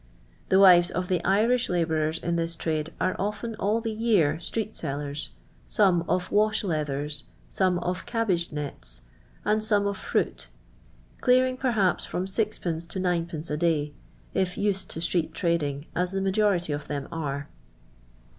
The wives of the Irish labourers in this trade are often all the year street sellers, some of wash leathers, some of cabbage nets, and some of firuit, clearing perhaps from Qd, to 9d. a day, if used to street trading, as the majority of them are.